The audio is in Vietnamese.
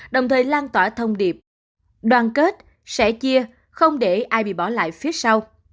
đồng thời lan tỏa thông điệp đoàn kết sẻ chia không để ai bị bỏ lại phía sau